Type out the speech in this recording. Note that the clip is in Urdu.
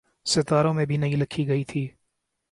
ستاروں میں بھی نہیں لکھی گئی تھی۔